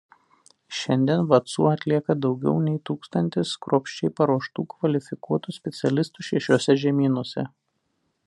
Šiandien Watsu atlieka daugiau nei tūkstantis kruopščiai paruoštų kvalifikuotų specialistų šešiuose žemynuose.